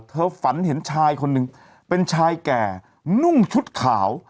ฝันเห็นชายคนหนึ่งเป็นชายแก่นุ่งชุดขาว